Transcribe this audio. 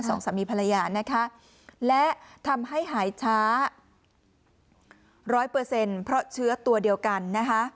สองสามีภรรยานะคะและทำให้หายช้า๑๐๐เพราะเชื้อตัวเดียวกันนะคะ